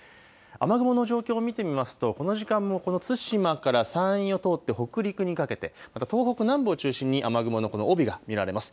雨雲の状況を見てみますとこの時間もこの対馬から山陰を通って北陸にかけてまた東北南部を中心に雨雲の帯が見られます。